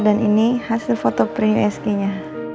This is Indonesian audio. dan ini hasil foto pre usg nya